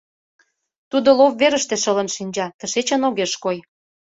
Тудо лоп верыште шылын шинча, тышечын огеш кой.